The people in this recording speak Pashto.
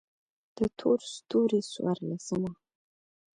د تور ستوري څوارلسمه: